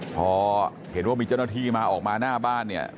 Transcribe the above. พอเห็นว่ามีเจ้าหน้าที่มาออกมาหน้าบ้านเนี่ย